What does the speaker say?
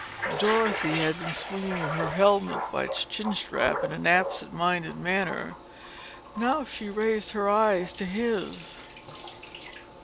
Dorothy had been swinging her helmet by its chin strap in an absent minded manner. Now she raised her eyes to his.